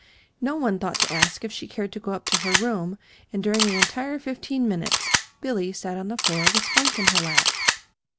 No one thought to ask if she cared to go up to her room, and during the entire fifteen minutes Billy sat on the floor with Spunk in her lap.